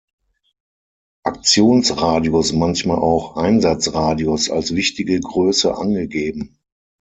Aktionsradius, manchmal auch "Einsatzradius", als wichtige Größe angegeben.